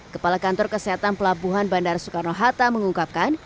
kepala kantor kesehatan pelabuhan bandara soekarno hatta mengungkapkan